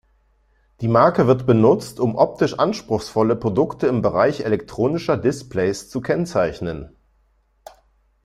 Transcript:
Die Marke wird benutzt, um optisch anspruchsvolle Produkte im Bereich elektronischer Displays zu kennzeichnen.